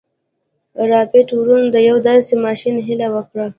رایټ وروڼو د یوه داسې ماشين هیله وکړه